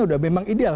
sudah memang ideal